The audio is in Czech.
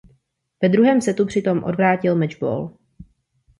Ve druhém setu přitom odvrátil mečbol.